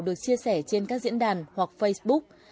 được chia sẻ trên các diễn đàn hoặc facebook